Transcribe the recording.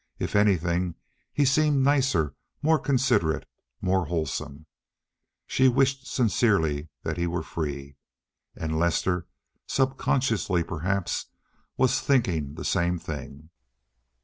If anything, he seemed nicer, more considerate, more wholesome. She wished sincerely that he were free. And Lester—subconsciously perhaps—was thinking the same thing.